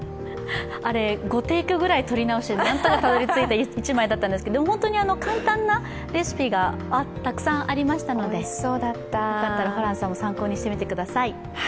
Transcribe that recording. あれ、５テイクぐらい取り直したなんとかたどり着いた１枚だったんですけど本当に簡単なレシピがたくさんありましたので、よかったらホランさんも参考にしてみてください。